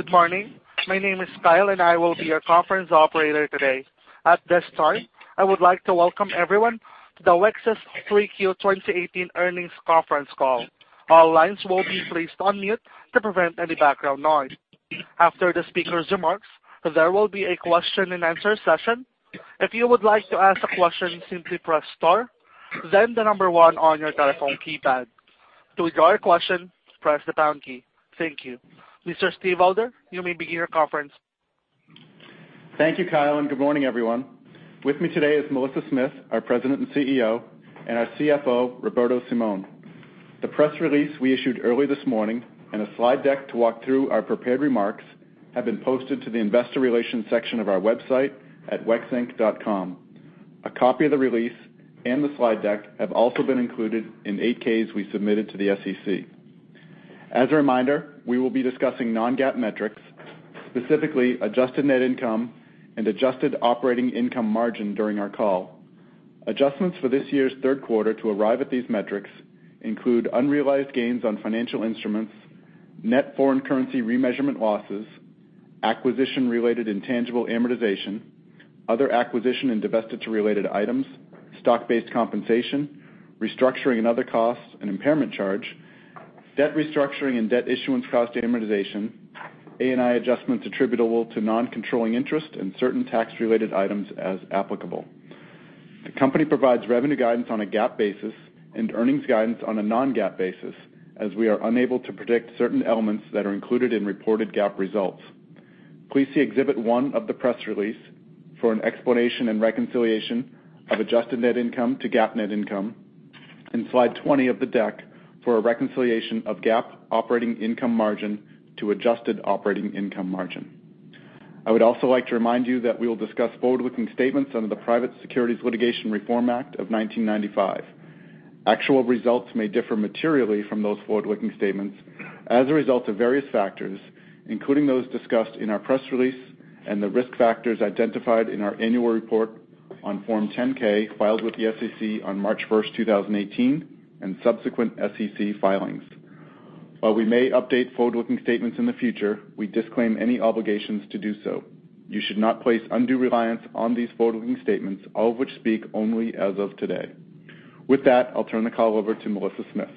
Good morning. My name is Kyle, and I will be your conference operator today. At the start, I would like to welcome everyone to WEX's 3Q 2018 earnings conference call. All lines will be placed on mute to prevent any background noise. After the speaker's remarks, there will be a question and answer session. If you would like to ask a question, simply press star, then the number 1 on your telephone keypad. To withdraw your question, press the pound key. Thank you. Mr. Steve Elder, you may begin your conference. Thank you, Kyle, and good morning, everyone. With me today is Melissa Smith, our President and CEO, and our CFO, Roberto Simon. The press release we issued early this morning and a slide deck to walk through our prepared remarks have been posted to the investor relations section of our website at wexinc.com. A copy of the release and the slide deck have also been included in 8-Ks we submitted to the SEC. As a reminder, we will be discussing non-GAAP metrics, specifically adjusted net income and adjusted operating income margin during our call. Adjustments for this year's third quarter to arrive at these metrics include unrealized gains on financial instruments, net foreign currency remeasurement losses, acquisition-related intangible amortization, other acquisition and divestiture-related items, stock-based compensation, restructuring and other costs and impairment charge, debt restructuring and debt issuance cost amortization, ANI adjustments attributable to non-controlling interest, and certain tax-related items as applicable. The company provides revenue guidance on a GAAP basis and earnings guidance on a non-GAAP basis, as we are unable to predict certain elements that are included in reported GAAP results. Please see Exhibit 1 of the press release for an explanation and reconciliation of adjusted net income to GAAP net income, and slide 20 of the deck for a reconciliation of GAAP operating income margin to adjusted operating income margin. I would also like to remind you that we will discuss forward-looking statements under the Private Securities Litigation Reform Act of 1995. Actual results may differ materially from those forward-looking statements as a result of various factors, including those discussed in our press release and the risk factors identified in our annual report on Form 10-K filed with the SEC on March 1st, 2018, and subsequent SEC filings. While we may update forward-looking statements in the future, we disclaim any obligations to do so. You should not place undue reliance on these forward-looking statements, all of which speak only as of today. With that, I'll turn the call over to Melissa Smith.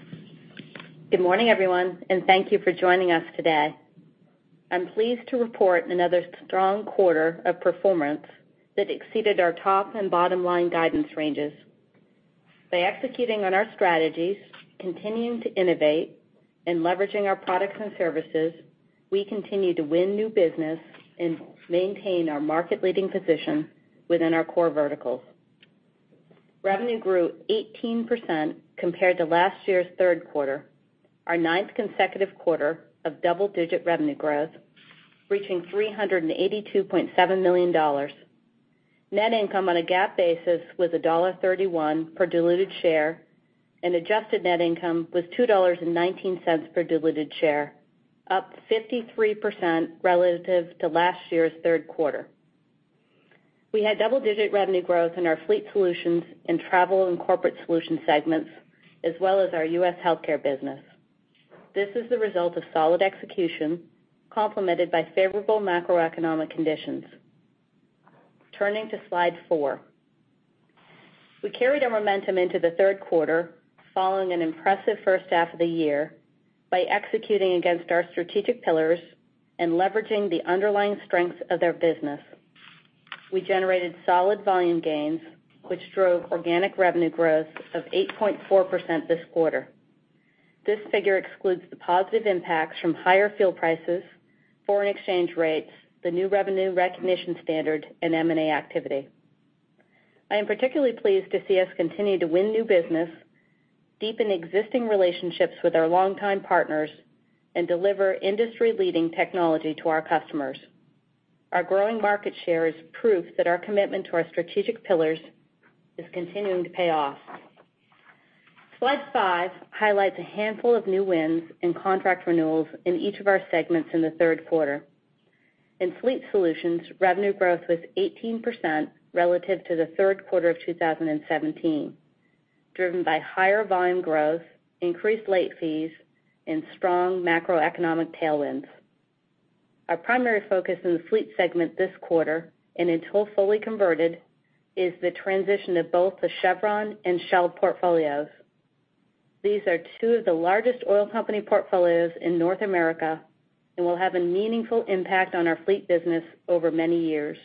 Good morning, everyone, and thank you for joining us today. I'm pleased to report another strong quarter of performance that exceeded our top and bottom line guidance ranges. By executing on our strategies, continuing to innovate, and leveraging our products and services, we continue to win new business and maintain our market-leading position within our core verticals. Revenue grew 18% compared to last year's third quarter, our ninth consecutive quarter of double-digit revenue growth, reaching $382.7 million. Net income on a GAAP basis was $1.31 per diluted share, and adjusted net income was $2.19 per diluted share, up 53% relative to last year's third quarter. We had double-digit revenue growth in our Fleet Solutions and Travel and Corporate Solutions segments, as well as our U.S. Healthcare business. This is the result of solid execution complemented by favorable macroeconomic conditions. Turning to Slide four. We carried our momentum into the third quarter following an impressive first half of the year by executing against our strategic pillars and leveraging the underlying strengths of their business. We generated solid volume gains, which drove organic revenue growth of 8.4% this quarter. This figure excludes the positive impacts from higher fuel prices, foreign exchange rates, the new revenue recognition standard, and M&A activity. I am particularly pleased to see us continue to win new business, deepen existing relationships with our longtime partners, and deliver industry-leading technology to our customers. Our growing market share is proof that our commitment to our strategic pillars is continuing to pay off. Slide five highlights a handful of new wins and contract renewals in each of our segments in the third quarter. In Fleet Solutions, revenue growth was 18% relative to the third quarter of 2017, driven by higher volume growth, increased late fees, and strong macroeconomic tailwinds. Our primary focus in the Fleet segment this quarter and until fully converted, is the transition of both the Chevron and Shell portfolios. These are two of the largest oil company portfolios in North America and will have a meaningful impact on our fleet business over many years.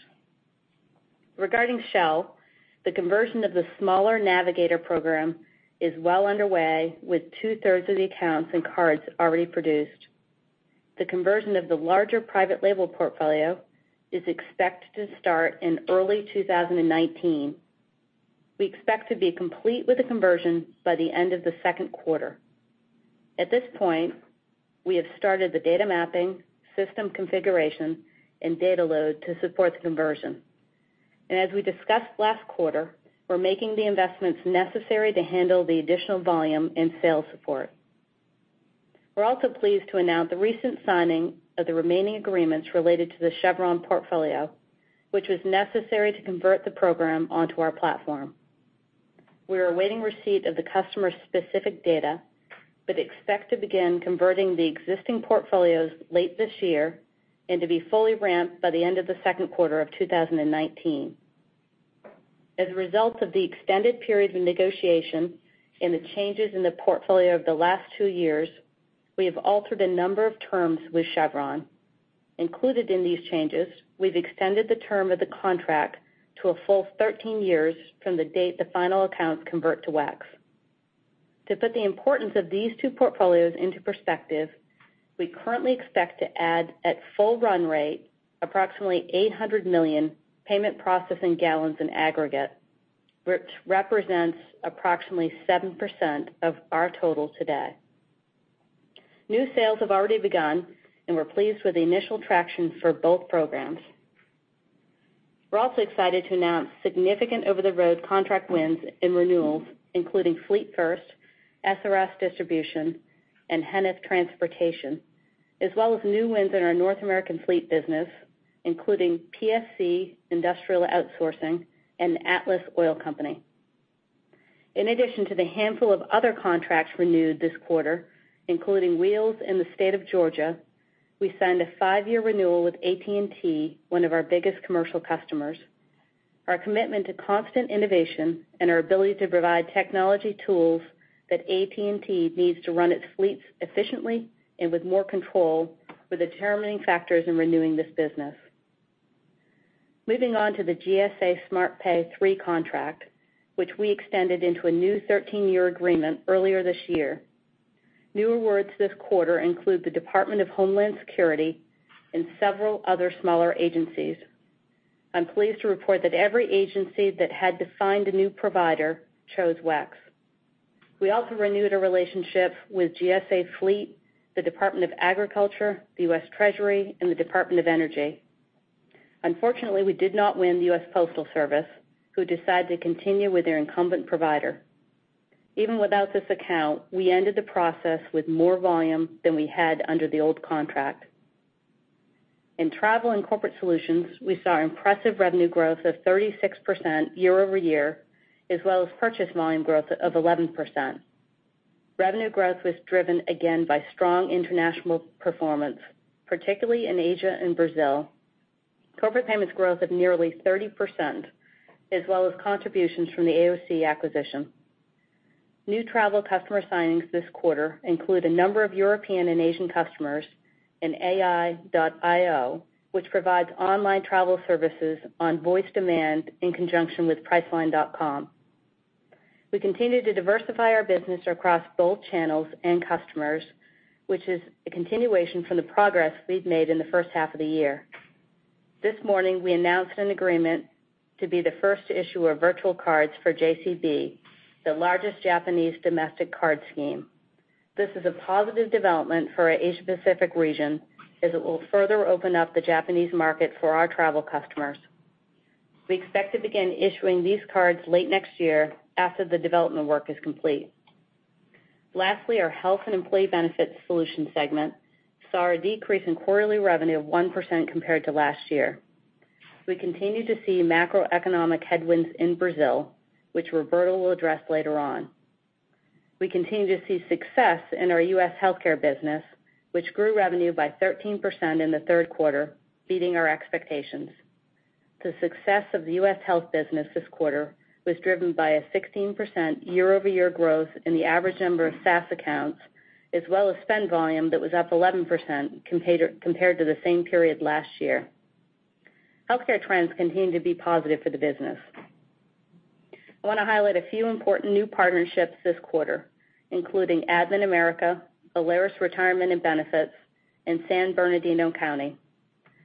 Regarding Shell, the conversion of the smaller Navigator program is well underway, with two-thirds of the accounts and cards already produced. The conversion of the larger private label portfolio is expected to start in early 2019. We expect to be complete with the conversion by the end of the second quarter. At this point, we have started the data mapping, system configuration, and data load to support the conversion. As we discussed last quarter, we're making the investments necessary to handle the additional volume and sales support. We're also pleased to announce the recent signing of the remaining agreements related to the Chevron portfolio, which was necessary to convert the program onto our platform. We are awaiting receipt of the customer's specific data, but expect to begin converting the existing portfolios late this year and to be fully ramped by the end of the second quarter of 2019. As a result of the extended period of negotiation and the changes in the portfolio over the last two years, we have altered a number of terms with Chevron. Included in these changes, we've extended the term of the contract to a full 13 years from the date the final accounts convert to WEX. To put the importance of these two portfolios into perspective, we currently expect to add, at full run rate, approximately $800 million payment processing gallons in aggregate, which represents approximately 7% of our total today. New sales have already begun, and we're pleased with the initial traction for both programs. We're also excited to announce significant over-the-road contract wins and renewals, including FleetFirst, SRS Distribution, and Heniff Transportation, as well as new wins in our North American Fleet business, including PSC Industrial Outsourcing and Atlas Oil Company. In addition to the handful of other contracts renewed this quarter, including Wheels in the state of Georgia, we signed a five-year renewal with AT&T, one of our biggest commercial customers. Our commitment to constant innovation and our ability to provide technology tools that AT&T needs to run its fleets efficiently and with more control were determining factors in renewing this business. Moving on to the GSA SmartPay 3 contract, which we extended into a new 13-year agreement earlier this year. New awards this quarter include the Department of Homeland Security and several other smaller agencies. I'm pleased to report that every agency that had to find a new provider chose WEX. We also renewed a relationship with GSA Fleet, the Department of Agriculture, the U.S. Treasury, and the Department of Energy. Unfortunately, we did not win the U.S. Postal Service, who decided to continue with their incumbent provider. Even without this account, we ended the process with more volume than we had under the old contract. In Travel and Corporate Solutions, we saw impressive revenue growth of 36% year-over-year, as well as purchase volume growth of 11%. Revenue growth was driven again by strong international performance, particularly in Asia and Brazil. Corporate payments growth of nearly 30%, as well as contributions from the AOC acquisition. New travel customer signings this quarter include a number of European and Asian customers in AI.io, which provides online travel services on voice demand in conjunction with Priceline.com. We continue to diversify our business across both channels and customers, which is a continuation from the progress we've made in the first half of the year. This morning, we announced an agreement to be the first issuer of virtual cards for JCB, the largest Japanese domestic card scheme. This is a positive development for our Asia-Pacific region, as it will further open up the Japanese market for our travel customers. We expect to begin issuing these cards late next year after the development work is complete. Lastly, our Health and Employee Benefit Solutions segment saw a decrease in quarterly revenue of 1% compared to last year. We continue to see macroeconomic headwinds in Brazil, which Roberto will address later on. We continue to see success in our U.S. healthcare business, which grew revenue by 13% in the third quarter, beating our expectations. The success of the U.S. health business this quarter was driven by a 16% year-over-year growth in the average number of SaaS accounts, as well as spend volume that was up 11% compared to the same period last year. Healthcare trends continue to be positive for the business. I want to highlight a few important new partnerships this quarter, including Admin America, Alerus Retirement and Benefits, and San Bernardino County.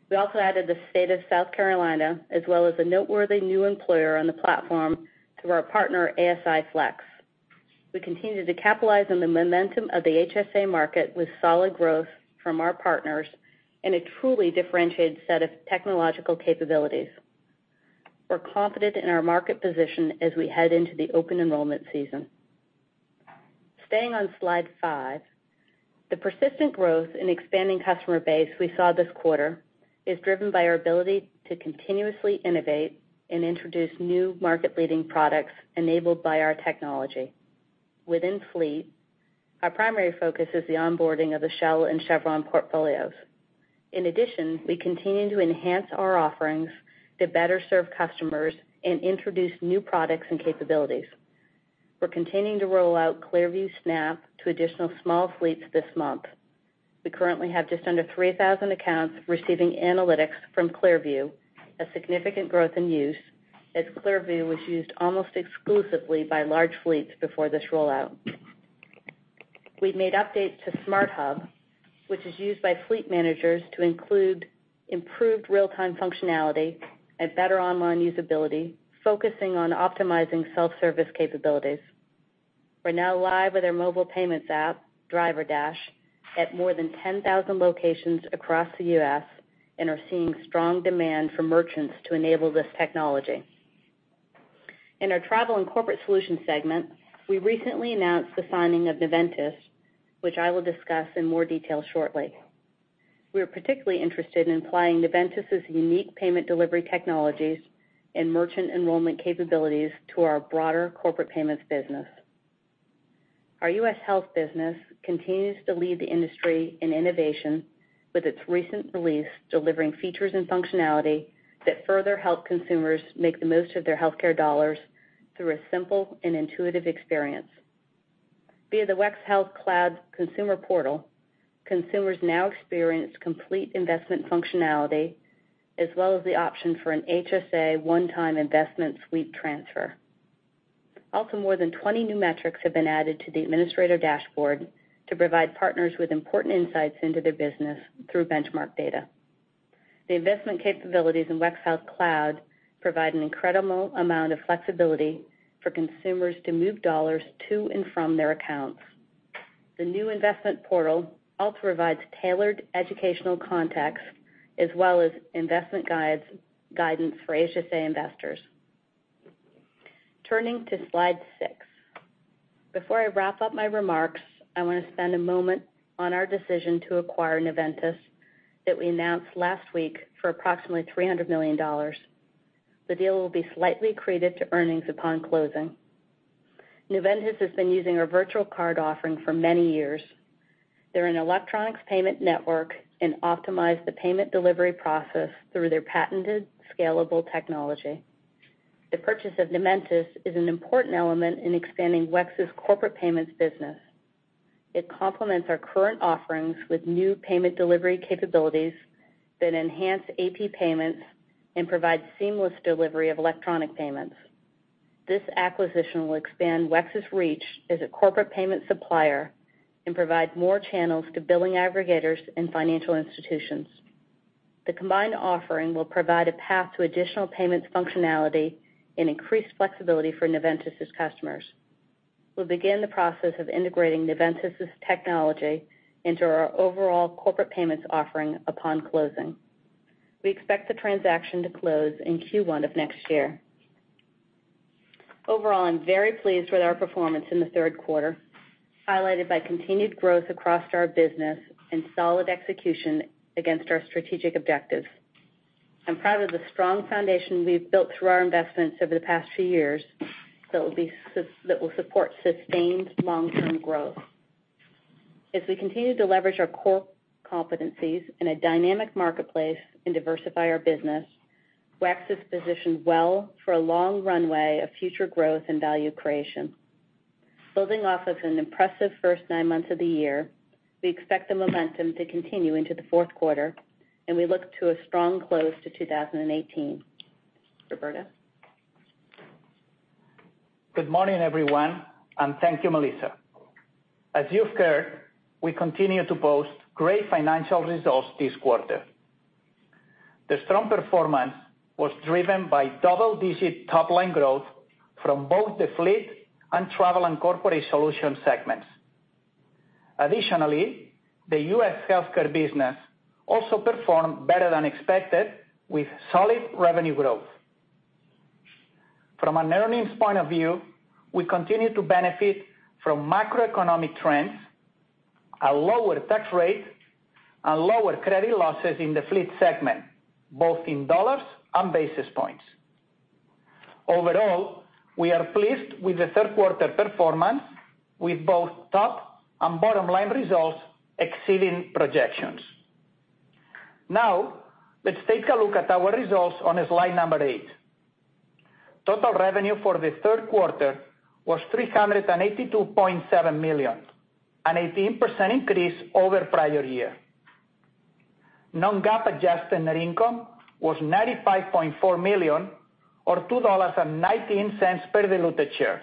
We also added the State of South Carolina, as well as a noteworthy new employer on the platform through our partner, ASIFlex. We continue to capitalize on the momentum of the HSA market with solid growth from our partners and a truly differentiated set of technological capabilities. We're confident in our market position as we head into the open enrollment season. Staying on slide five, the persistent growth and expanding customer base we saw this quarter is driven by our ability to continuously innovate and introduce new market-leading products enabled by our technology. Within Fleet, our primary focus is the onboarding of the Shell and Chevron portfolios. In addition, we continue to enhance our offerings to better serve customers and introduce new products and capabilities. We're continuing to roll out ClearView Snap to additional small fleets this month. We currently have just under 3,000 accounts receiving analytics from ClearView, a significant growth in use, as ClearView was used almost exclusively by large fleets before this rollout. We've made updates to Fleet SmartHub, which is used by fleet managers to include improved real-time functionality and better online usability, focusing on optimizing self-service capabilities. We're now live with our mobile payments app, DriverDash, at more than 10,000 locations across the U.S. and are seeing strong demand from merchants to enable this technology. In our Travel and Corporate Solutions segment, we recently announced the signing of Noventis, which I will discuss in more detail shortly. We are particularly interested in applying Noventis' unique payment delivery technologies and merchant enrollment capabilities to our broader corporate payments business. Our U.S. health business continues to lead the industry in innovation with its recent release, delivering features and functionality that further help consumers make the most of their healthcare dollars through a simple and intuitive experience. Via the WEX Health Cloud consumer portal, consumers now experience complete investment functionality, as well as the option for an HSA one-time investment sweep transfer. Also, more than 20 new metrics have been added to the administrator dashboard to provide partners with important insights into their business through benchmark data. The investment capabilities in WEX Health Cloud provide an incredible amount of flexibility for consumers to move dollars to and from their accounts. The new investment portal also provides tailored educational context as well as investment guidance for HSA investors. Turning to slide six. Before I wrap up my remarks, I want to spend a moment on our decision to acquire Noventis that we announced last week for approximately $300 million. The deal will be slightly accretive to earnings upon closing. Noventis has been using our virtual cards offering for many years. They're an electronic payments network and optimize the payment delivery process through their patented scalable technology. The purchase of Noventis is an important element in expanding WEX's corporate payments business. It complements our current offerings with new payment delivery capabilities that enhance AP payments and provide seamless delivery of electronic payments. This acquisition will expand WEX's reach as a corporate payment supplier and provide more channels to billing aggregators and financial institutions. The combined offering will provide a path to additional payments functionality and increased flexibility for Noventis' customers. We'll begin the process of integrating Noventis' technology into our overall corporate payments offering upon closing. We expect the transaction to close in Q1 of next year. Overall, I'm very pleased with our performance in the third quarter, highlighted by continued growth across our business and solid execution against our strategic objectives. I'm proud of the strong foundation we've built through our investments over the past few years that will support sustained long-term growth. As we continue to leverage our core competencies in a dynamic marketplace and diversify our business, WEX is positioned well for a long runway of future growth and value creation. Building off of an impressive first nine months of the year, we expect the momentum to continue into the fourth quarter, and we look to a strong close to 2018. Roberto? Good morning, everyone, and thank you, Melissa. As you've heard, we continue to post great financial results this quarter. The strong performance was driven by double-digit top-line growth from both the Fleet Solutions and Travel and Corporate Solutions segments. Additionally, the U.S. healthcare business also performed better than expected with solid revenue growth. From an earnings point of view, we continue to benefit from macroeconomic trends, a lower tax rate, and lower credit losses in the Fleet Solutions segment, both in dollars and basis points. Overall, we are pleased with the third-quarter performance with both top and bottom-line results exceeding projections. Now, let's take a look at our results on slide number eight. Total revenue for the third quarter was $382.7 million, an 18% increase over prior year. Non-GAAP adjusted net income was $95.4 million, or $2.19 per diluted share.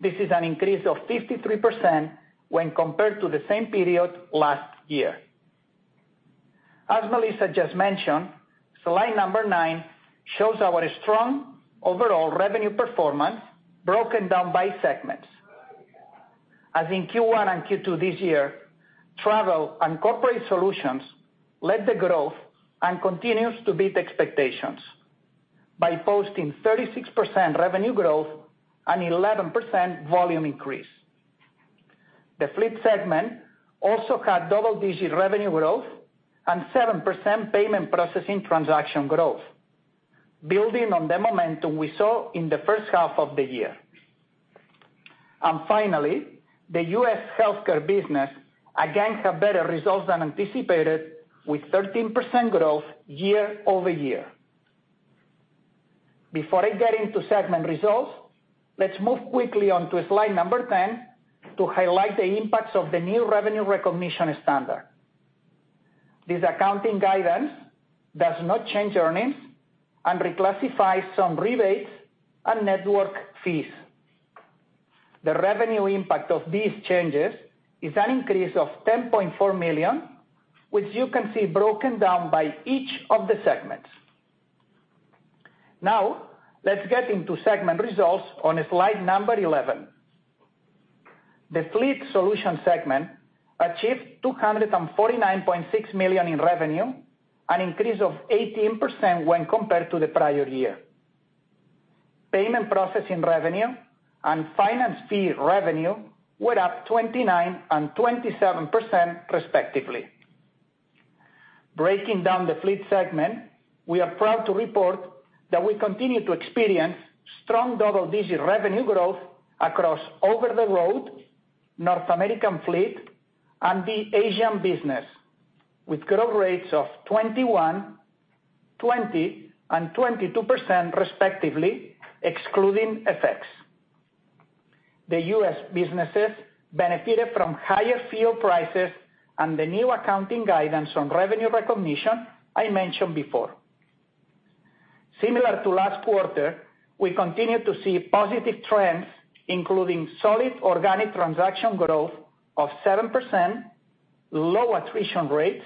This is an increase of 53% when compared to the same period last year. As Melissa just mentioned, slide number nine shows our strong overall revenue performance broken down by segments. As in Q1 and Q2 this year, Travel and Corporate Solutions led the growth and continues to beat expectations by posting 36% revenue growth and 11% volume increase. The Fleet Solutions segment also had double-digit revenue growth and 7% payment processing transaction growth, building on the momentum we saw in the first half of the year. Finally, the U.S. healthcare business again had better results than anticipated with 13% growth year-over-year. Before I get into segment results, let's move quickly on to slide number 10 to highlight the impacts of the new revenue recognition standard. This accounting guidance does not change earnings and reclassifies some rebates and network fees. The revenue impact of these changes is an increase of $10.4 million, which you can see broken down by each of the segments. Let's get into segment results on slide number 11. The Fleet Solutions segment achieved $249.6 million in revenue, an increase of 18% when compared to the prior year. Payment processing revenue and finance fee revenue were up 29% and 27%, respectively. Breaking down the Fleet Solutions segment, we are proud to report that we continue to experience strong double-digit revenue growth across over-the-road North American fleet and the Asian business, with growth rates of 21%, 20%, and 22%, respectively, excluding effects. The U.S. businesses benefited from higher fuel prices and the new accounting guidance on revenue recognition I mentioned before. Similar to last quarter, we continue to see positive trends, including solid organic transaction growth of 7%, low attrition rates,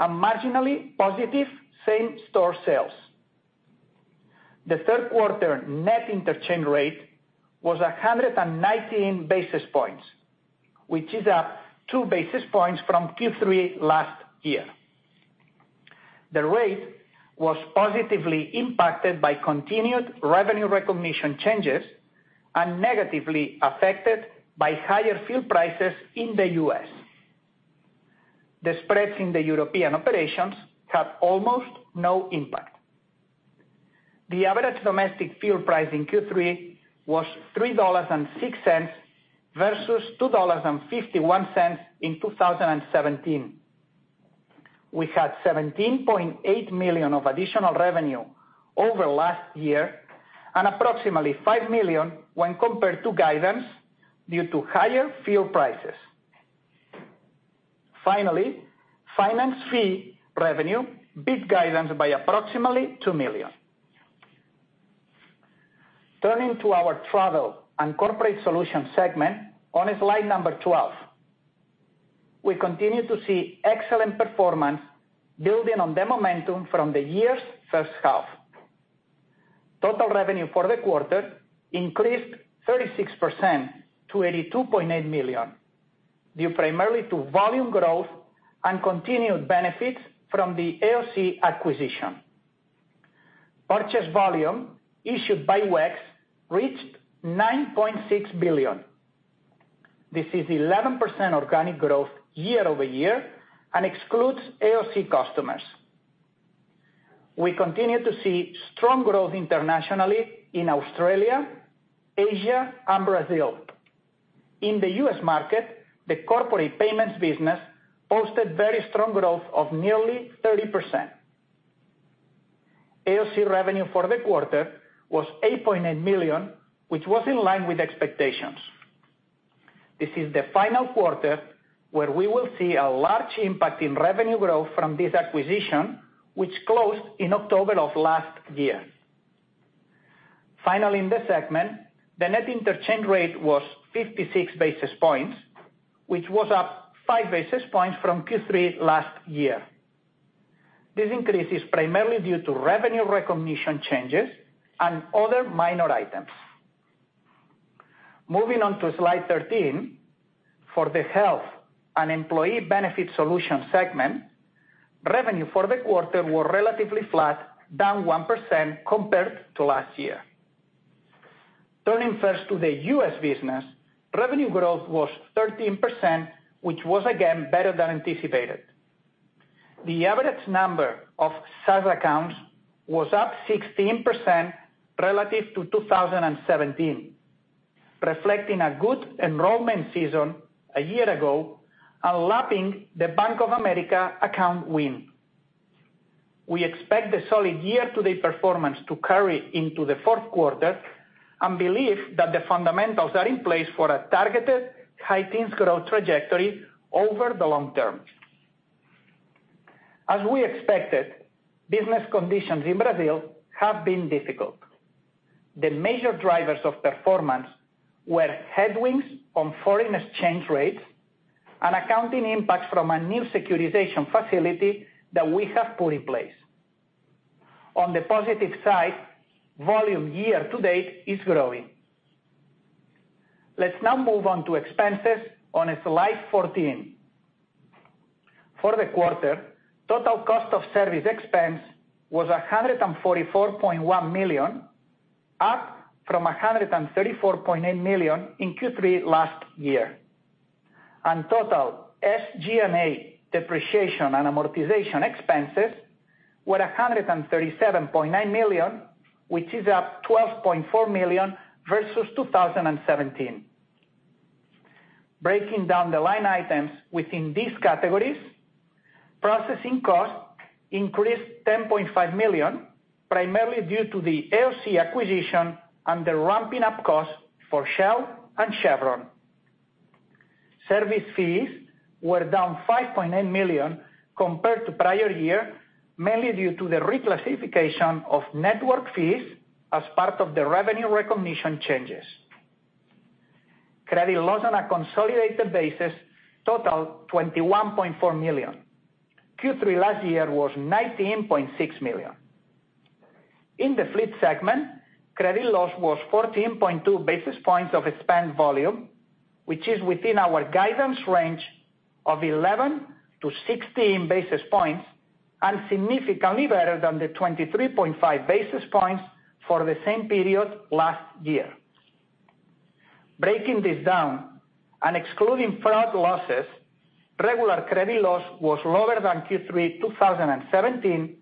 and marginally positive same-store sales. The third quarter net interchange rate was 119 basis points, which is up 2 basis points from Q3 last year. The rate was positively impacted by continued revenue recognition changes and negatively affected by higher fuel prices in the U.S. The spreads in the European operations had almost no impact. The average domestic fuel price in Q3 was $3.06 versus $2.51 in 2017. We had $17.8 million of additional revenue over last year and approximately $5 million when compared to guidance due to higher fuel prices. Finally, finance fee revenue beat guidance by approximately $2 million. Turning to our Travel and Corporate Solutions segment on slide 12. We continue to see excellent performance building on the momentum from the year's first half. Total revenue for the quarter increased 36% to $82.8 million, due primarily to volume growth and continued benefits from the AOC acquisition. Purchase volume issued by WEX reached $9.6 billion. This is 11% organic growth year-over-year and excludes AOC customers. We continue to see strong growth internationally in Australia, Asia and Brazil. In the U.S. market, the corporate payments business posted very strong growth of nearly 30%. AOC revenue for the quarter was $8.8 million, which was in line with expectations. This is the final quarter where we will see a large impact in revenue growth from this acquisition, which closed in October of last year. Finally, in this segment, the net interchange rate was 56 basis points, which was up 5 basis points from Q3 last year. This increase is primarily due to revenue recognition changes and other minor items. Moving on to slide 13. For the Health and Employee Benefit Solutions segment, revenue for the quarter were relatively flat, down 1% compared to last year. Turning first to the U.S. business, revenue growth was 13%, which was again better than anticipated. The average number of SaaS accounts was up 16% relative to 2017, reflecting a good enrollment season a year ago and lapping the Bank of America account win. We expect the solid year-to-date performance to carry into the fourth quarter and believe that the fundamentals are in place for a targeted high teens growth trajectory over the long term. As we expected, business conditions in Brazil have been difficult. The major drivers of performance were headwinds on foreign exchange rates and accounting impacts from a new securitization facility that we have put in place. On the positive side, volume year-to-date is growing. Let's now move on to expenses on slide 14. For the quarter, total cost of service expense was $144.1 million, up from $134.8 million in Q3 last year. Total SG&A depreciation and amortization expenses were $137.9 million, which is up $12.4 million versus 2017. Breaking down the line items within these categories, processing costs increased $10.5 million, primarily due to the AOC acquisition and the ramping up costs for Shell and Chevron. Service fees were down $5.8 million compared to prior year, mainly due to the reclassification of network fees as part of the revenue recognition changes. Credit loss on a consolidated basis total $21.4 million. Q3 last year was $19.6 million. In the Fleet segment, credit loss was 14.2 basis points of spent volume, which is within our guidance range of 11-16 basis points, and significantly better than the 23.5 basis points for the same period last year. Breaking this down and excluding fraud losses, regular credit loss was lower than Q3 2017,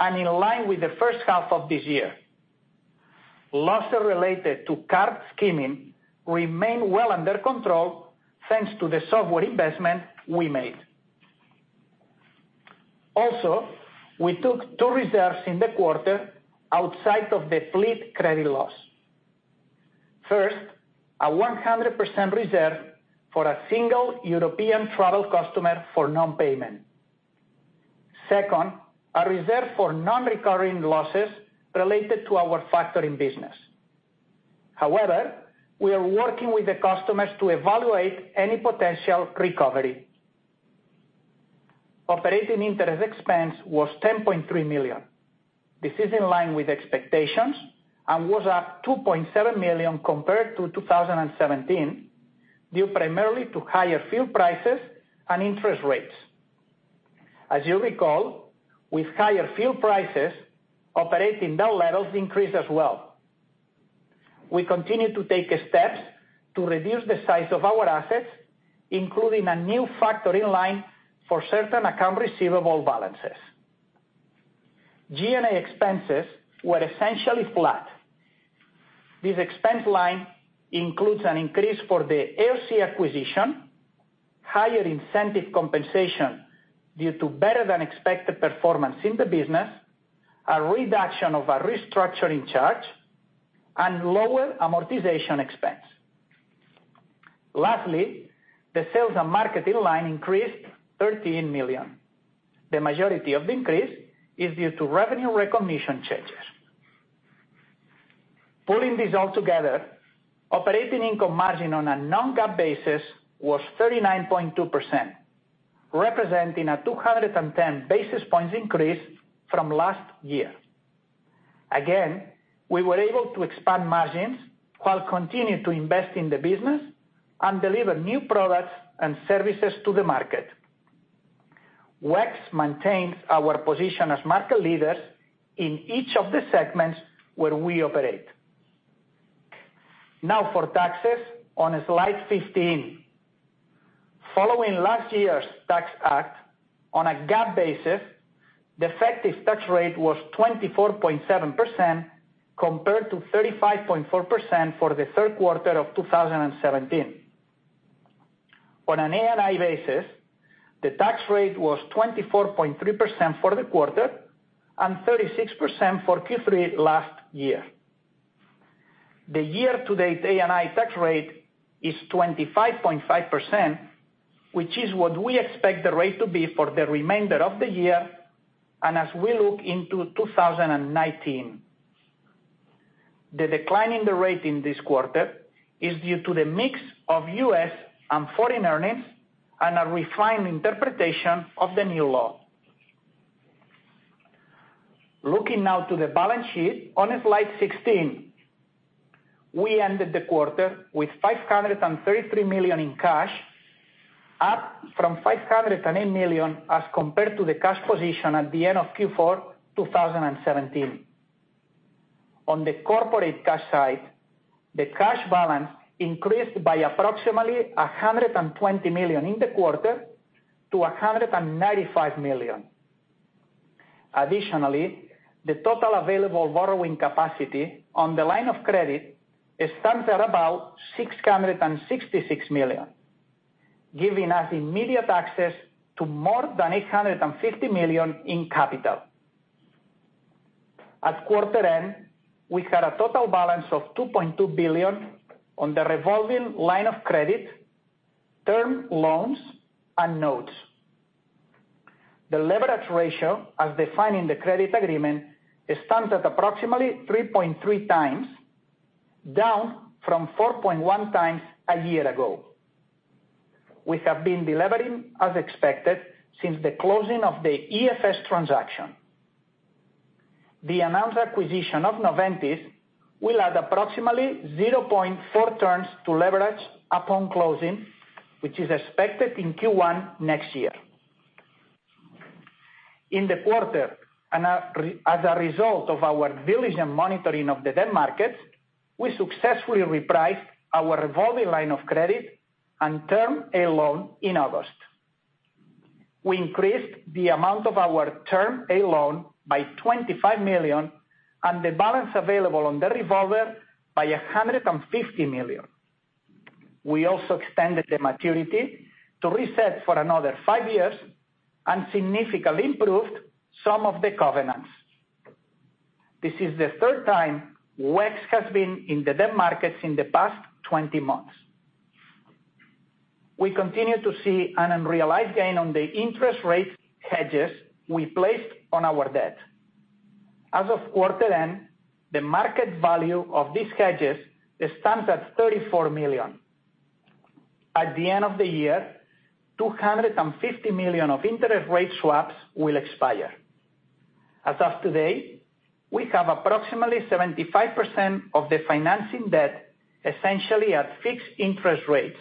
and in line with the first half of this year. Losses related to card skimming remain well under control thanks to the software investment we made. We took two reserves in the quarter outside of the fleet credit loss. First, a 100% reserve for a single European travel customer for non-payment. Second, a reserve for non-recurring losses related to our factoring business. However, we are working with the customers to evaluate any potential recovery. Operating interest expense was $10.3 million. This is in line with expectations and was up $2.7 million compared to 2017, due primarily to higher fuel prices and interest rates. As you recall, with higher fuel prices, operating levels increased as well. We continue to take steps to reduce the size of our assets, including a new factoring line for certain account receivable balances. G&A expenses were essentially flat. This expense line includes an increase for the AirSea acquisition, higher incentive compensation due to better than expected performance in the business, a reduction of a restructuring charge, and lower amortization expense. Lastly, the sales and marketing line increased $13 million. The majority of the increase is due to revenue recognition changes. Pulling this all together, operating income margin on a non-GAAP basis was 39.2%, representing a 210 basis points increase from last year. Again, we were able to expand margins while continuing to invest in the business and deliver new products and services to the market. WEX maintains our position as market leaders in each of the segments where we operate. Now for taxes on slide 15. Following last year's Tax Act, on a GAAP basis, the effective tax rate was 24.7% compared to 35.4% for the third quarter of 2017. On an ANI basis, the tax rate was 24.3% for the quarter and 36% for Q3 last year. The year-to-date ANI tax rate is 25.5%, which is what we expect the rate to be for the remainder of the year and as we look into 2019. The decline in the rate in this quarter is due to the mix of U.S. and foreign earnings and a refined interpretation of the new law. Looking now to the balance sheet on slide 16. We ended the quarter with $533 million in cash, up from $508 million as compared to the cash position at the end of Q4 2017. On the corporate cash side, the cash balance increased by approximately $120 million in the quarter to $195 million. Additionally, the total available borrowing capacity on the line of credit stands at about $666 million, giving us immediate access to more than $850 million in capital. At quarter end, we had a total balance of $2.2 billion on the revolving line of credit, term loans, and notes. The leverage ratio, as defined in the credit agreement, stands at approximately 3.3 times, down from 4.1 times a year ago. We have been delevering as expected since the closing of the EFS transaction. The announced acquisition of Noventis will add approximately 0.4 turns to leverage upon closing, which is expected in Q1 next year. In the quarter, as a result of our diligent monitoring of the debt markets, we successfully repriced our revolving line of credit and Term A loan in August. We increased the amount of our Term A loan by $25 million, and the balance available on the revolver by $150 million. We also extended the maturity to reset for another five years and significantly improved some of the covenants. This is the third time WEX has been in the debt markets in the past 20 months. We continue to see an unrealized gain on the interest rate hedges we placed on our debt. As of quarter end, the market value of these hedges stands at $34 million. At the end of the year, $250 million of interest rate swaps will expire. As of today, we have approximately 75% of the financing debt essentially at fixed interest rates,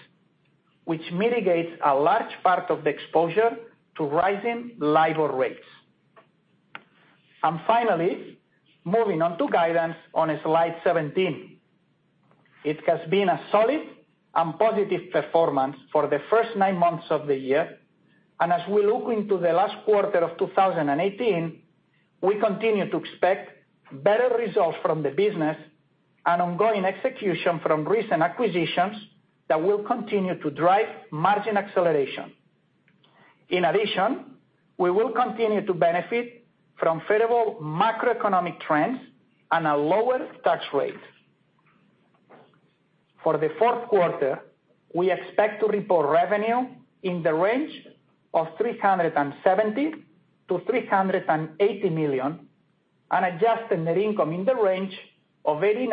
which mitigates a large part of the exposure to rising LIBOR rates. Finally, moving on to guidance on slide 17. It has been a solid and positive performance for the first nine months of the year, as we look into the last quarter of 2018, we continue to expect better results from the business and ongoing execution from recent acquisitions that will continue to drive margin acceleration. In addition, we will continue to benefit from favorable macroeconomic trends and a lower tax rate. For the fourth quarter, we expect to report revenue in the range of $370 million-$380 million, and adjusted net income in the range of $89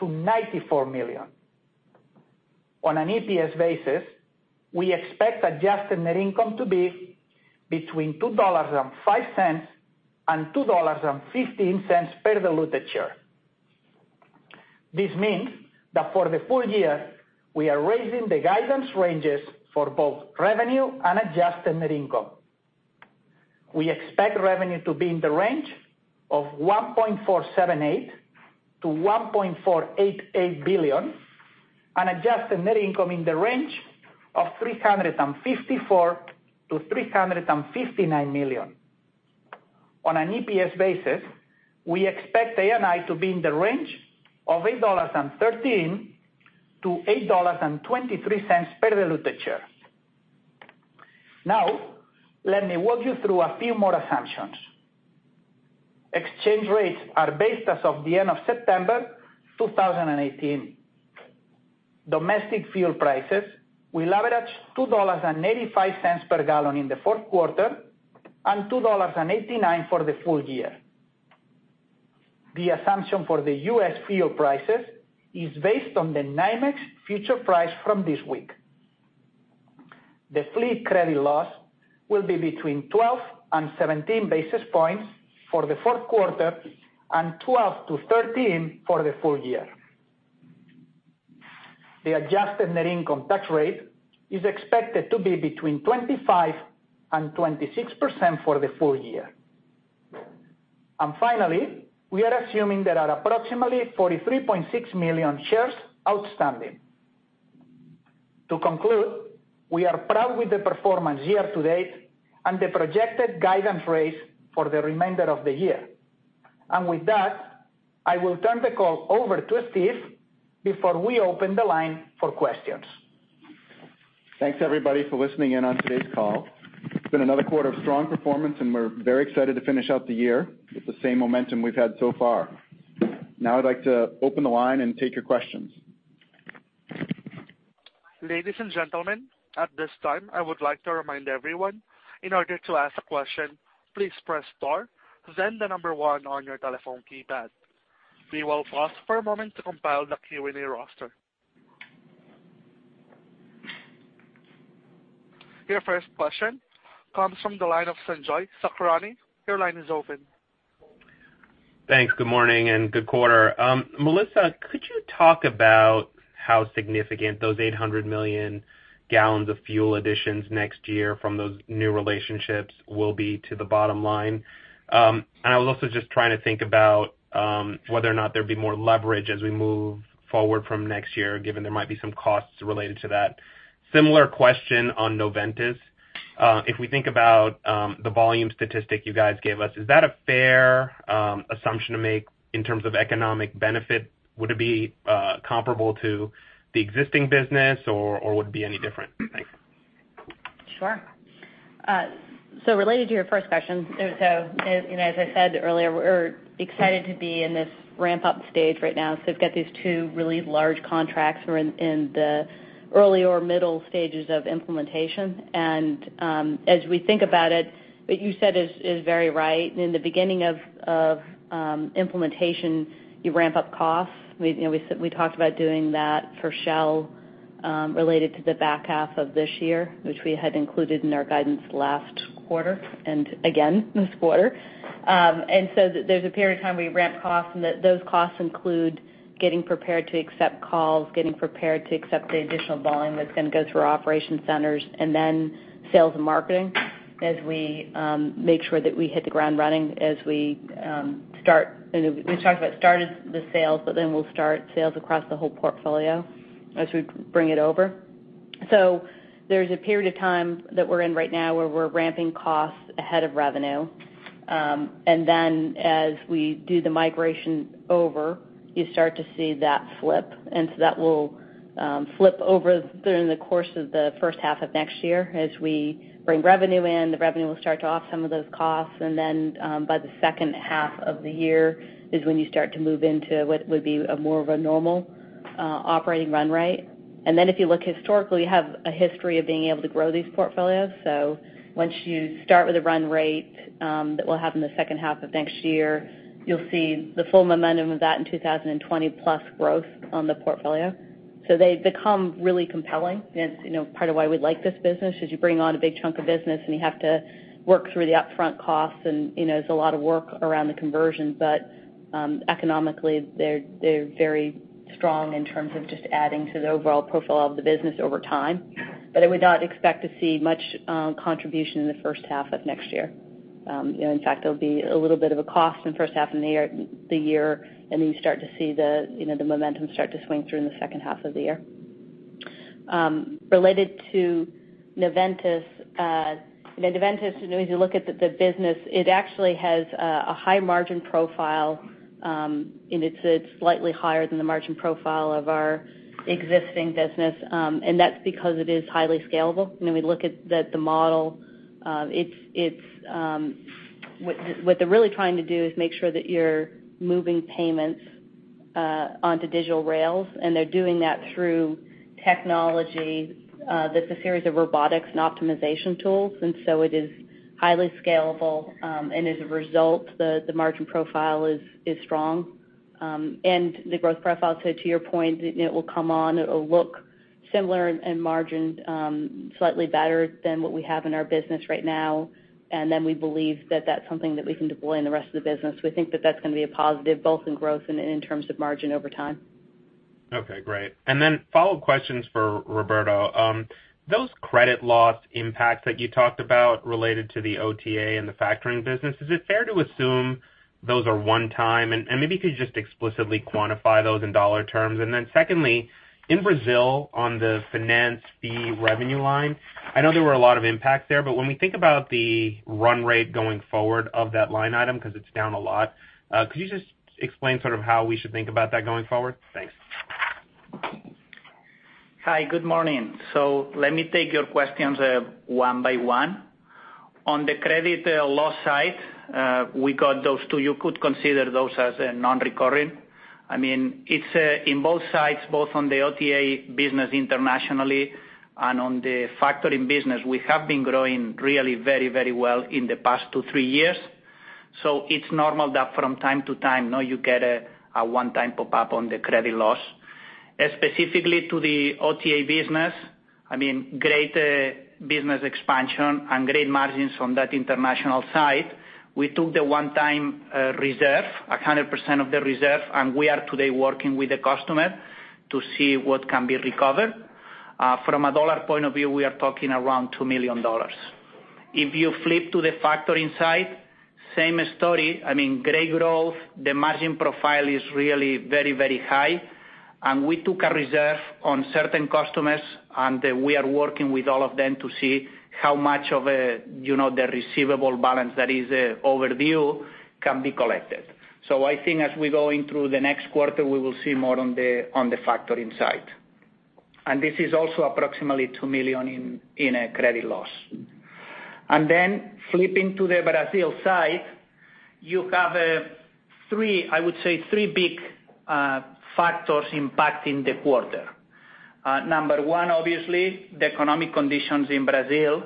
million-$94 million. On an EPS basis, we expect adjusted net income to be between $2.05 and $2.15 per diluted share. This means that for the full year, we are raising the guidance ranges for both revenue and adjusted net income. We expect revenue to be in the range of $1.478 billion-$1.488 billion, and adjusted net income in the range of $354 million-$359 million. On an EPS basis, we expect ANI to be in the range of $8.13 to $8.23 per diluted share. Now, let me walk you through a few more assumptions. Exchange rates are based as of the end of September 2018. Domestic fuel prices will average $2.85 per gallon in the fourth quarter and $2.89 for the full year. The assumption for the U.S. fuel prices is based on the NYMEX future price from this week. The fleet credit loss will be between 12 and 17 basis points for the fourth quarter, and 12 to 13 for the full year. The adjusted net income tax rate is expected to be between 25% and 26% for the full year. Finally, we are assuming there are approximately 43.6 million shares outstanding. To conclude, we are proud with the performance year-to-date and the projected guidance raise for the remainder of the year. With that, I will turn the call over to Steve before we open the line for questions. Thanks everybody for listening in on today's call. It's been another quarter of strong performance, and we're very excited to finish out the year with the same momentum we've had so far. I'd like to open the line and take your questions. Ladies and gentlemen, at this time, I would like to remind everyone, in order to ask a question, please press star, then the number one on your telephone keypad. We will pause for a moment to compile the Q&A roster. Your first question comes from the line of Sanjay Sakhrani. Your line is open. Thanks. Good morning and good quarter. Melissa, could you talk about how significant those 800 million gallons of fuel additions next year from those new relationships will be to the bottom line? I was also just trying to think about whether or not there'd be more leverage as we move forward from next year, given there might be some costs related to that. Similar question on Noventis. We think about the volume statistic you guys gave us, is that a fair assumption to make in terms of economic benefit? Would it be comparable to the existing business, or would it be any different? Thanks. Sure. Related to your first question, as I said earlier, we're excited to be in this ramp-up stage right now. We've got these two really large contracts. We're in the early or middle stages of implementation. As we think about it, what you said is very right. In the beginning of implementation, you ramp up costs. We talked about doing that for Shell, related to the back half of this year, which we had included in our guidance last quarter and again this quarter. There's a period of time where you ramp costs, and those costs include getting prepared to accept calls, getting prepared to accept the additional volume that's going to go through our operation centers, and then sales and marketing as we make sure that we hit the ground running as we start. We talked about starting the sales, we'll start sales across the whole portfolio as we bring it over. There's a period of time that we're in right now where we're ramping costs ahead of revenue. As we do the migration over, you start to see that flip. That will flip over during the course of the first half of next year. As we bring revenue in, the revenue will start to offset some of those costs. By the second half of the year is when you start to move into what would be a more of a normal operating run rate. If you look historically, you have a history of being able to grow these portfolios. Once you start with a run rate that we'll have in the second half of next year, you'll see the full momentum of that in 2020 plus growth on the portfolio. They become really compelling. It's part of why we like this business, because you bring on a big chunk of business and you have to work through the upfront costs, and there's a lot of work around the conversion. Economically, they're very strong in terms of just adding to the overall profile of the business over time. I would not expect to see much contribution in the first half of next year. In fact, there'll be a little bit of a cost in the first half the year, and then you start to see the momentum start to swing through in the second half of the year. Related to Noventis, as you look at the business, it actually has a high margin profile, and it's slightly higher than the margin profile of our existing business. That's because it is highly scalable. We look at the model. What they're really trying to do is make sure that you're moving payments onto digital rails, and they're doing that through technology that's a series of robotics and optimization tools. It is highly scalable. As a result, the margin profile is strong. The growth profile, so to your point, it will come on, it'll look similar in margin, slightly better than what we have in our business right now. Then we believe that that's something that we can deploy in the rest of the business. We think that that's going to be a positive both in growth and in terms of margin over time. Okay, great. Follow-up questions for Roberto. Those credit loss impacts that you talked about related to the OTA and the factoring business, is it fair to assume those are one-time? Maybe you could just explicitly quantify those in $ terms. Secondly, in Brazil on the finance fee revenue line, I know there were a lot of impacts there, but when we think about the run rate going forward of that line item, because it's down a lot, could you just explain how we should think about that going forward? Thanks. Hi. Good morning. Let me take your questions one by one. On the credit loss side, we got those two. You could consider those as non-recurring. It's in both sides, both on the OTA business internationally and on the factoring business. We have been growing really very well in the past two, three years. It's normal that from time to time, now you get a one-time pop-up on the credit loss. Specifically to the OTA business, great business expansion and great margins from that international side. We took the one-time reserve, 100% of the reserve, and we are today working with the customer to see what can be recovered. From a dollar point of view, we are talking around $2 million. If you flip to the factoring side, same story. Great growth. The margin profile is really very high. We took a reserve on certain customers, and we are working with all of them to see how much of the receivable balance that is overdue can be collected. I think as we're going through the next quarter, we will see more on the factoring side. This is also approximately $2 million in a credit loss. Then flipping to the Brazil side, you have, I would say, three big factors impacting the quarter. Number one, obviously, the economic conditions in Brazil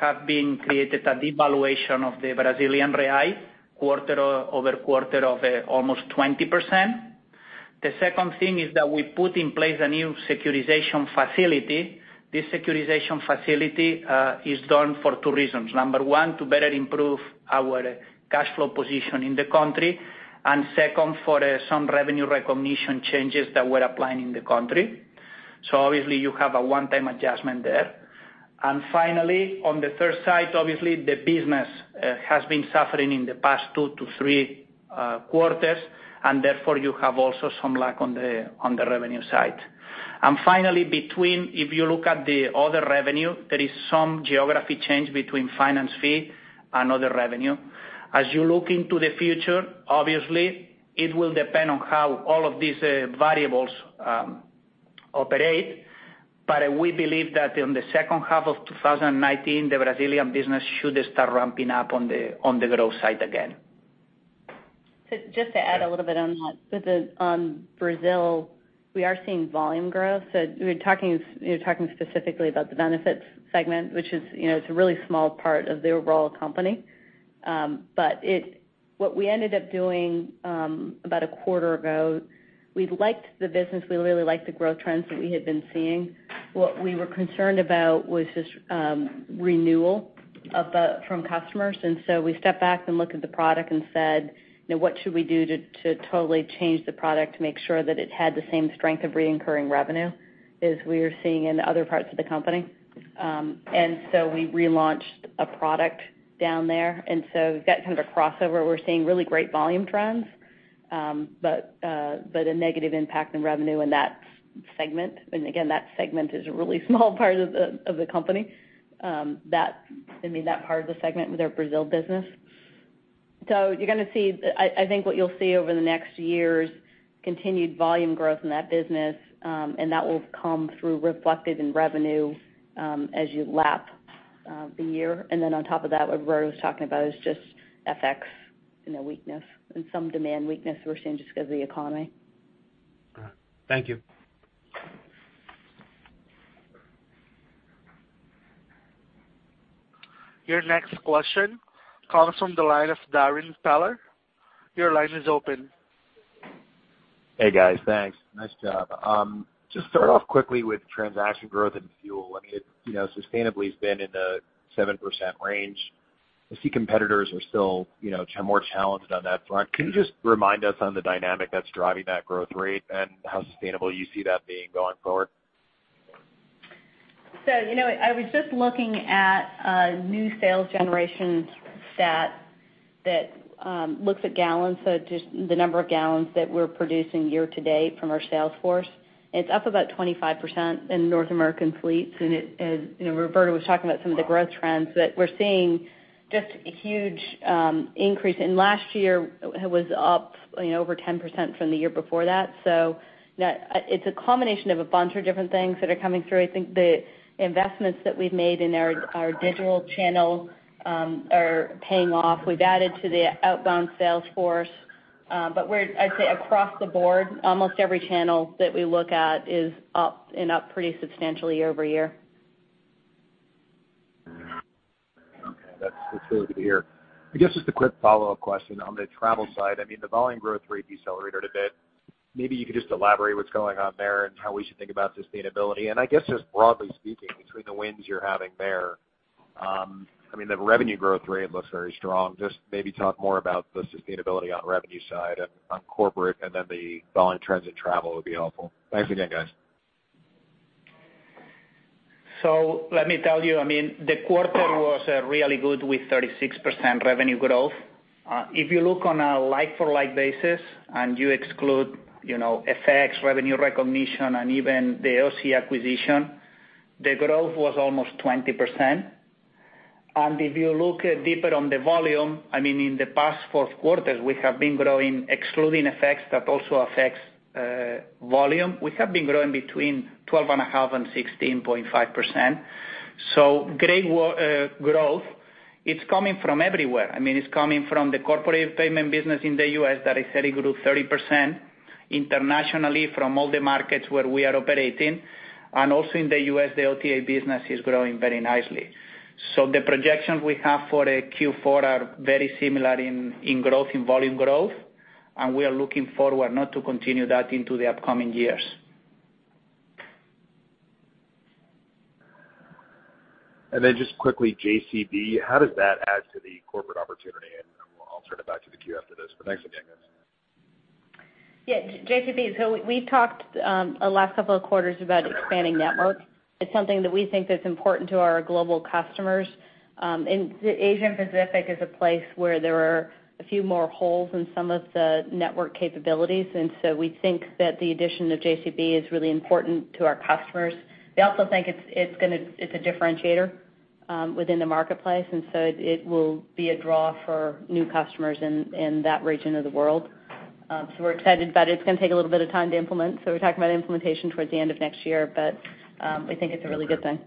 have been created a devaluation of the Brazilian real quarter-over-quarter of almost 20%. The second thing is that we put in place a new securitization facility. This securitization facility is done for two reasons. Number one, to better improve our cash flow position in the country. Second, for some revenue recognition changes that we're applying in the country. Obviously, you have a one-time adjustment there. Finally, on the third side, obviously, the business has been suffering in the past two to three quarters, therefore you have also some lack on the revenue side. Finally, between if you look at the other revenue, there is some geography change between finance fee and other revenue. As you look into the future, obviously, it will depend on how all of these variables operate. We believe that in the second half of 2019, the Brazilian business should start ramping up on the growth side again. Just to add a little bit on that. On Brazil, we are seeing volume growth. You're talking specifically about the benefits segment, which is a really small part of the overall company. What we ended up doing about a quarter ago, we liked the business. We really liked the growth trends that we had been seeing. What we were concerned about was just renewal from customers. We stepped back and looked at the product and said, "What should we do to totally change the product to make sure that it had the same strength of reoccurring revenue as we are seeing in other parts of the company?" We relaunched a product down there. We've got kind of a crossover. We're seeing really great volume trends. A negative impact in revenue in that segment. That segment is a really small part of the company. That part of the segment with our Brazil business. I think what you'll see over the next year is continued volume growth in that business, and that will come through reflected in revenue as you lap the year. On top of that, what Roberto was talking about is just FX weakness and some demand weakness we're seeing just because of the economy. All right. Thank you. Your next question comes from the line of Darrin Peller. Your line is open. Hey, guys. Thanks. Nice job. Just start off quickly with transaction growth and fuel. I mean, it sustainably has been in the 7% range. I see competitors are still more challenged on that front. Can you just remind us on the dynamic that's driving that growth rate and how sustainable you see that being going forward? I was just looking at a new sales generation stat that looks at gallons, just the number of gallons that we're producing year-to-date from our sales force. It's up about 25% in North American fleets, and Roberto was talking about some of the growth trends that we're seeing, just a huge increase. Last year it was up over 10% from the year before that. It's a combination of a bunch of different things that are coming through. I think the investments that we've made in our digital channel are paying off. We've added to the outbound sales force. I'd say across the board, almost every channel that we look at is up, and up pretty substantially year-over-year. Okay, that's really good to hear. I guess just a quick follow-up question on the travel side. I mean, the volume growth rate decelerated a bit. Maybe you could just elaborate what's going on there and how we should think about sustainability. I guess, just broadly speaking, between the wins you're having there, I mean, the revenue growth rate looks very strong. Just maybe talk more about the sustainability on revenue side and on corporate, and then the volume trends in travel would be helpful. Thanks again, guys. Let me tell you, I mean, the quarter was really good with 36% revenue growth. If you look on a like-for-like basis and you exclude FX, revenue recognition, and even the AOC acquisition, the growth was almost 20%. If you look deeper on the volume, I mean, in the past four quarters, we have been growing, excluding FX that also affects volume, we have been growing between 12.5%-16.5%. Great growth. It's coming from everywhere. I mean, it's coming from the corporate payment business in the U.S. that is heading to 30%, internationally from all the markets where we are operating, and also in the U.S., the OTA business is growing very nicely. The projections we have for Q4 are very similar in volume growth, we are looking forward now to continue that into the upcoming years. Just quickly, JCB, how does that add to the corporate opportunity? I'll turn it back to the queue after this, thanks again, guys. JCB. We talked the last couple of quarters about expanding networks. It's something that we think that's important to our global customers. Asia Pacific is a place where there are a few more holes in some of the network capabilities, and we think that the addition of JCB is really important to our customers. We also think it's a differentiator within the marketplace, and it will be a draw for new customers in that region of the world. We're excited, but it's going to take a little bit of time to implement. We're talking about implementation towards the end of next year, but we think it's a really good thing.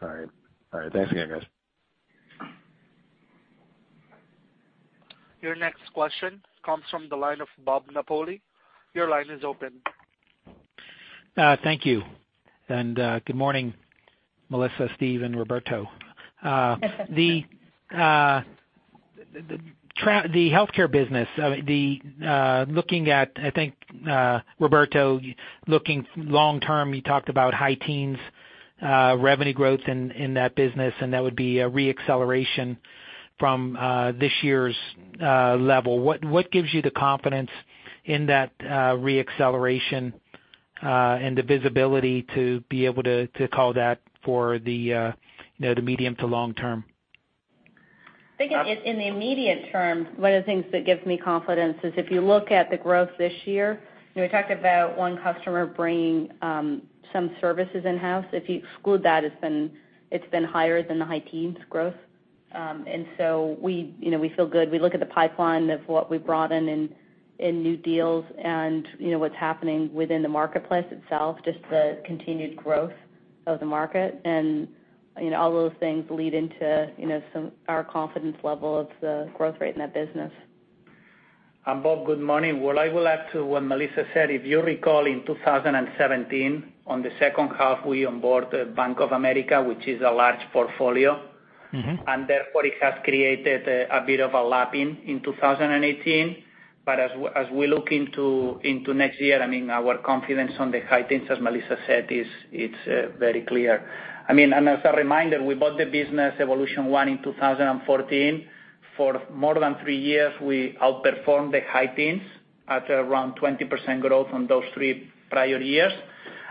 All right. Thanks again, guys. Your next question comes from the line of Robert Napoli. Your line is open. Thank you. Good morning, Melissa, Steve, and Roberto. The healthcare business, looking at, I think, Roberto, looking long term, you talked about high teens revenue growth in that business, and that would be a re-acceleration from this year's level. What gives you the confidence in that re-acceleration and the visibility to be able to call that for the medium to long term? I think in the immediate term, one of the things that gives me confidence is if you look at the growth this year, we talked about one customer bringing some services in-house. If you exclude that, it's been higher than the high teens growth. We feel good. We look at the pipeline of what we brought in in new deals and what's happening within the marketplace itself, just the continued growth of the market. All those things lead into our confidence level of the growth rate in that business. Bob, good morning. What I will add to what Melissa said, if you recall in 2017, on the second half, we onboarded Bank of America, which is a large portfolio. Therefore, it has created a bit of a lap in 2018. As we look into next year, I mean, our confidence on the high teens, as Melissa said, it's very clear. I mean, as a reminder, we bought the business Evolution1 in 2014. For more than three years, we outperformed the high teens at around 20% growth on those three prior years.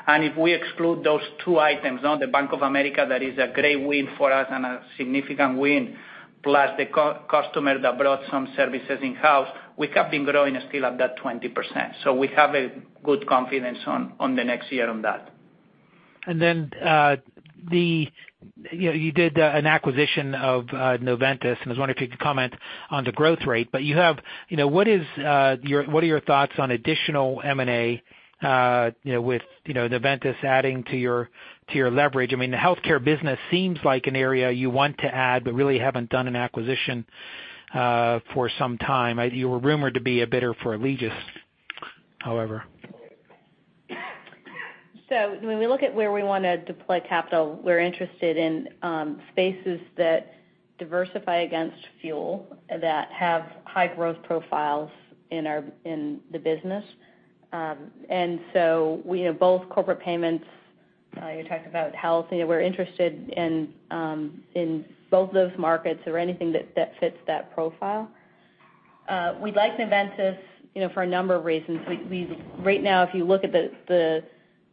If we exclude those two items, the Bank of America, that is a great win for us and a significant win, plus the customer that brought some services in-house, we have been growing still at that 20%. We have a good confidence on the next year on that. You did an acquisition of Noventis. I was wondering if you could comment on the growth rate. What are your thoughts on additional M&A with Noventis adding to your leverage? I mean, the healthcare business seems like an area you want to add but really haven't done an acquisition for some time. You were rumored to be a bidder for Alegeus, however. When we look at where we want to deploy capital, we're interested in spaces that diversify against fuel that have high growth profiles in the business. Both corporate payments, you talked about health, we're interested in both those markets or anything that fits that profile. We like Noventis for a number of reasons. Right now, if you look at the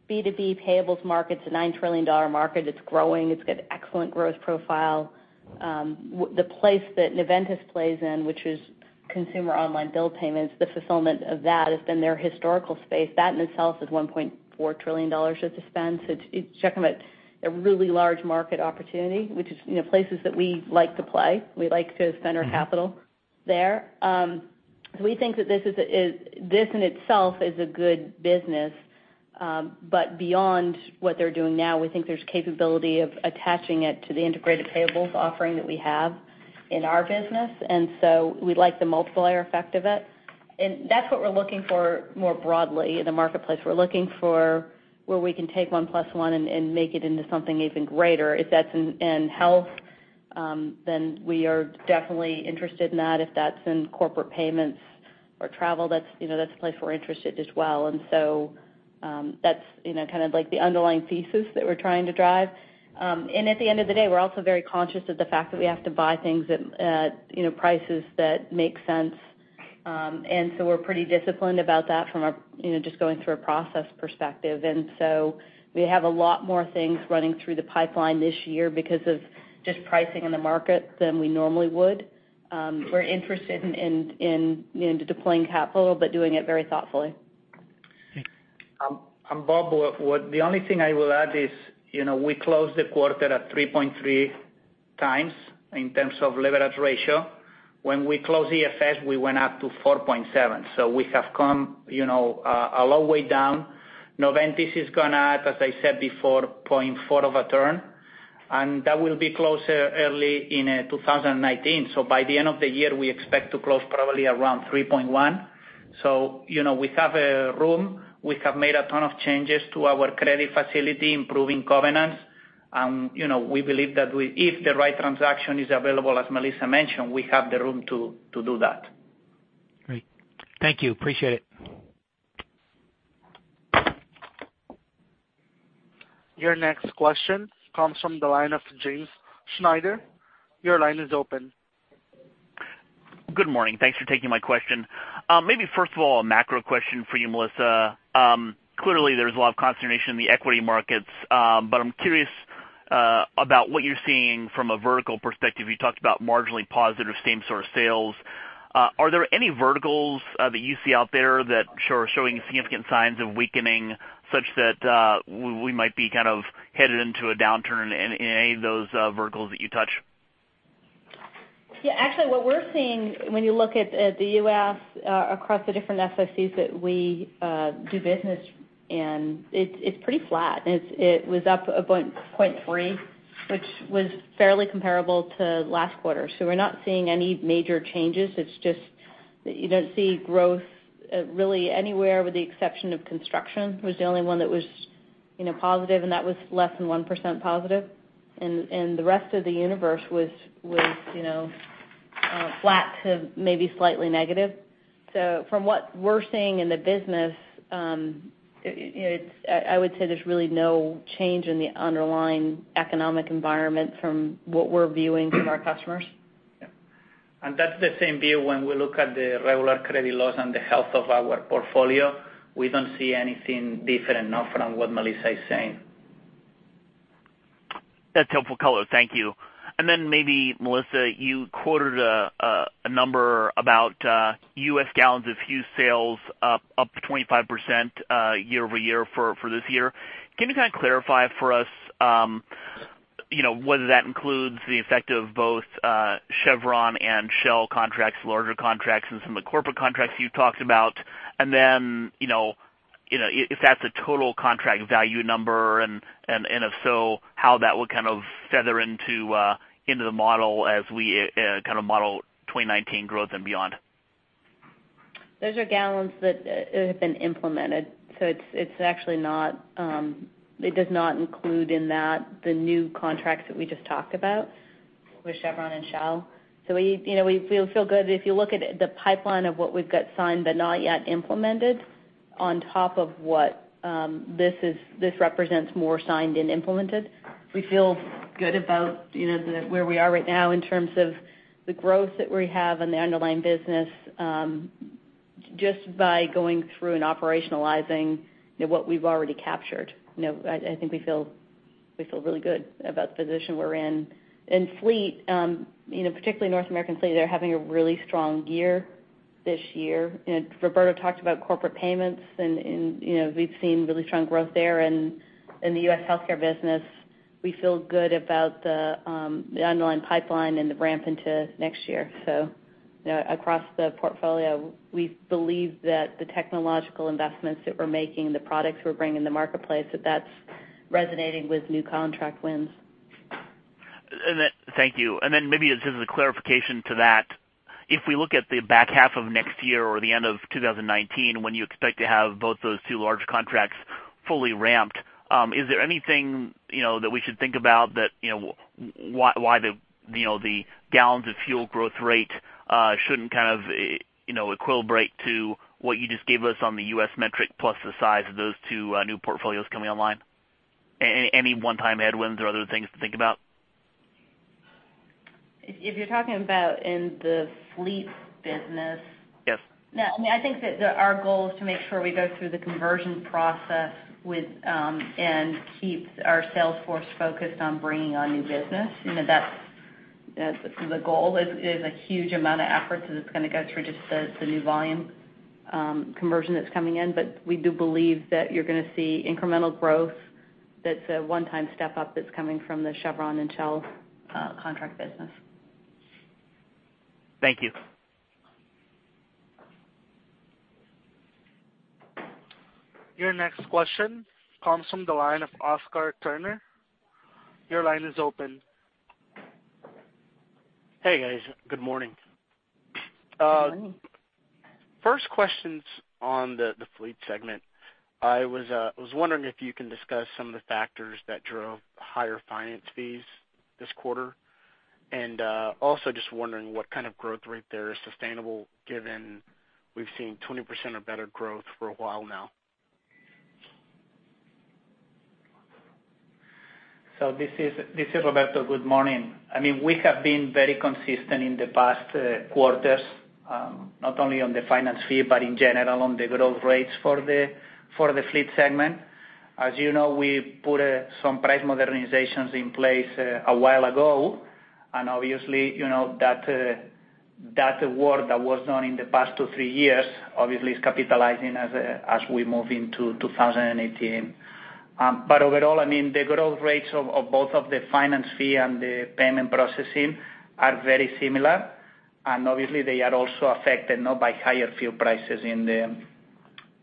B2B payables market, it's a $9 trillion market. It's growing. It's got excellent growth profile. The place that Noventis plays in, which is consumer online bill payments, the fulfillment of that has been their historical space. That in itself is $1.4 trillion of dispense. It's checking out a really large market opportunity, which is places that we like to play. We like to spend our capital there. We think that this in itself is a good business. Beyond what they're doing now, we think there's capability of attaching it to the integrated payables offering that we have in our business. We like the multiplier effect of it. That's what we're looking for more broadly in the marketplace. We're looking for where we can take one plus one and make it into something even greater. If that's in health, we are definitely interested in that. If that's in corporate payments or travel, that's a place we're interested as well. That's kind of like the underlying thesis that we're trying to drive. At the end of the day, we're also very conscious of the fact that we have to buy things at prices that make sense. We're pretty disciplined about that from just going through a process perspective. We have a lot more things running through the pipeline this year because of just pricing in the market than we normally would. We're interested in deploying capital, doing it very thoughtfully. Bob, the only thing I will add is, we closed the quarter at 3.3 times in terms of leverage ratio. When we closed EFS, we went up to 4.7. We have come a long way down. Noventis is going to add, as I said before, 0.4 of a turn, and that will be closed early in 2019. By the end of the year, we expect to close probably around 3.1. We have room. We have made a ton of changes to our credit facility, improving governance. We believe that if the right transaction is available, as Melissa mentioned, we have the room to do that. Great. Thank you. Appreciate it. Your next question comes from the line of James Schneider. Your line is open. Good morning. Thanks for taking my question. Maybe first of all, a macro question for you, Melissa. Clearly, there's a lot of consternation in the equity markets, I'm curious about what you're seeing from a vertical perspective. You talked about marginally positive same-store sales. Are there any verticals that you see out there that are showing significant signs of weakening such that we might be kind of headed into a downturn in any of those verticals that you touch? Actually, what we're seeing when you look at the U.S. across the different SICs that we do business in, it's pretty flat. It was up 0.3, which was fairly comparable to last quarter. We're not seeing any major changes. It's just that you don't see growth really anywhere with the exception of construction, was the only one that was positive, and that was less than 1% positive. The rest of the universe was flat to maybe slightly negative. From what we're seeing in the business, I would say there's really no change in the underlying economic environment from what we're viewing from our customers. Yeah. That's the same view when we look at the regular credit loss and the health of our portfolio. We don't see anything different enough from what Melissa is saying. That's helpful color. Thank you. Maybe, Melissa, you quoted a number about U.S. gallons of fuel sales up 25% year-over-year for this year. Can you kind of clarify for us whether that includes the effect of both Chevron and Shell contracts, larger contracts, and some of the corporate contracts you talked about? If that's a total contract value number, and if so, how that would kind of feather into the model as we kind of model 2019 growth and beyond? Those are gallons that have been implemented. It does not include in that the new contracts that we just talked about with Chevron and Shell. We feel good. If you look at the pipeline of what we've got signed but not yet implemented on top of what this represents more signed and implemented. We feel good about where we are right now in terms of the growth that we have and the underlying business, just by going through and operationalizing what we've already captured. I think we feel really good about the position we're in. In fleet, particularly North American fleet, they're having a really strong year this year. Roberto talked about corporate payments, and we've seen really strong growth there. In the U.S. healthcare business, we feel good about the underlying pipeline and the ramp into next year. Across the portfolio, we believe that the technological investments that we're making, the products we're bringing in the marketplace, that that's resonating with new contract wins. Thank you. Maybe just as a clarification to that, if we look at the back half of next year or the end of 2019, when you expect to have both those two large contracts fully ramped, is there anything that we should think about that, why the gallons of fuel growth rate shouldn't kind of equilibrate to what you just gave us on the U.S. metric plus the size of those two new portfolios coming online? Any one-time headwinds or other things to think about? If you're talking about in the fleet business? Yes. No, I think that our goal is to make sure we go through the conversion process and keep our sales force focused on bringing on new business. That's the goal. It is a huge amount of effort, because it's going to go through just the new volume conversion that's coming in. We do believe that you're going to see incremental growth that's a one-time step up that's coming from the Chevron and Shell contract business. Thank you. Your next question comes from the line of Oscar Turner. Your line is open. Hey, guys. Good morning. Good morning. First question's on the fleet segment. I was wondering if you can discuss some of the factors that drove higher finance fees this quarter, and also just wondering what kind of growth rate there is sustainable, given we've seen 20% or better growth for a while now. This is Roberto. Good morning. We have been very consistent in the past quarters, not only on the finance fee, but in general on the growth rates for the fleet segment. As you know, we put some price modernizations in place a while ago, and obviously, that work that was done in the past two, three years, obviously, is capitalizing as we move into 2018. Overall, the growth rates of both of the finance fee and the payment processing are very similar, and obviously, they are also affected now by higher fuel prices in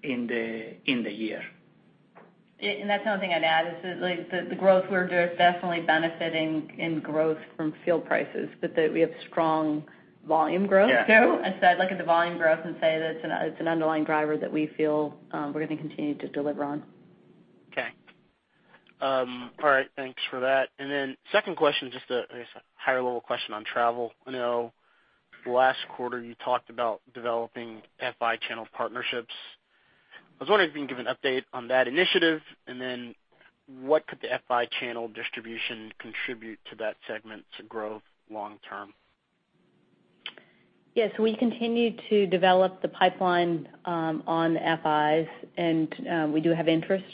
the year. That's another thing I'd add is the growth, we're definitely benefiting in growth from fuel prices, but that we have strong volume growth, too. Yeah. I'd look at the volume growth and say that it's an underlying driver that we feel we're going to continue to deliver on. Okay. All right. Thanks for that. Second question, just a higher level question on travel. I know last quarter you talked about developing FI channel partnerships. I was wondering if you can give an update on that initiative, and then what could the FI channel distribution contribute to that segment's growth long term? Yes, we continue to develop the pipeline on the FIs, and we do have interest.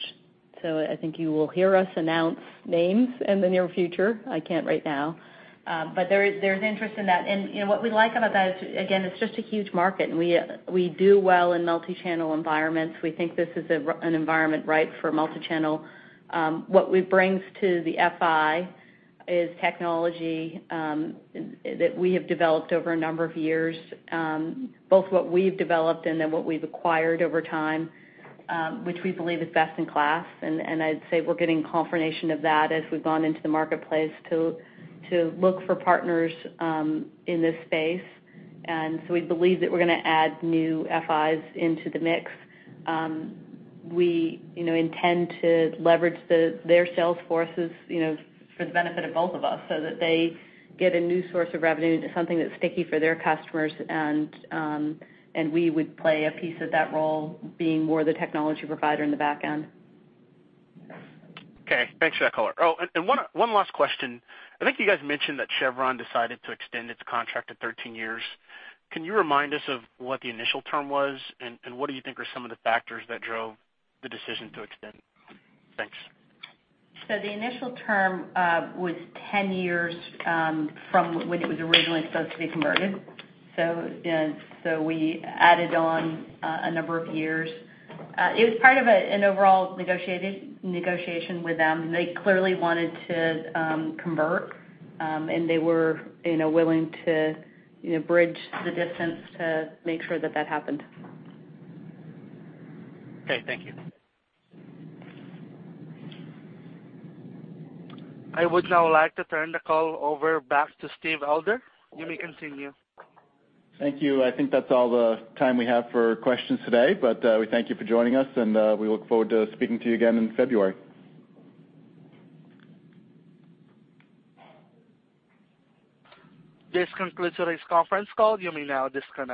I think you will hear us announce names in the near future. I can't right now. There's interest in that. What we like about that is, again, it's just a huge market, and we do well in multi-channel environments. We think this is an environment ripe for multi-channel. What it brings to the FI is technology that we have developed over a number of years, both what we've developed and what we've acquired over time, which we believe is best in class. I'd say we're getting confirmation of that as we've gone into the marketplace to look for partners in this space. We believe that we're going to add new FIs into the mix. We intend to leverage their sales forces for the benefit of both of us so that they get a new source of revenue, something that's sticky for their customers, and we would play a piece of that role, being more the technology provider in the back end. Okay, thanks for that color. One last question. I think you guys mentioned that Chevron decided to extend its contract to 13 years. Can you remind us of what the initial term was? What do you think are some of the factors that drove the decision to extend? Thanks. The initial term was 10 years from when it was originally supposed to be converted. We added on a number of years. It was part of an overall negotiation with them. They clearly wanted to convert, and they were willing to bridge the distance to make sure that that happened. Okay, thank you. I would now like to turn the call over back to Steve Elder. You may continue. Thank you. I think that's all the time we have for questions today. We thank you for joining us, and we look forward to speaking to you again in February. This concludes today's conference call. You may now disconnect.